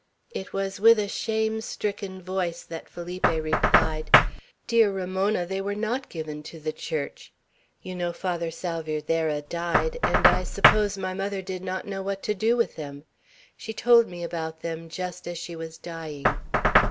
It was with a shame stricken voice that Felipe replied: "Dear Ramona, they were not given to the Church. You know Father Salvierderra died; and I suppose my mother did not know what to do with them. She told me about them just as she was dying."